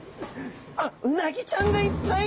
あっうなぎちゃんがいっぱい！